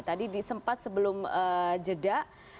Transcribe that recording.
tadi di sempat sebelum jeda